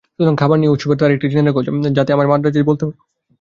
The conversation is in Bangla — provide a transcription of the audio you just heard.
সুতরাং খবর নিয়ে উৎসবের তারিখটি জেনে রেখো, যাতে আমায় মান্দ্রাজে বলতে পার।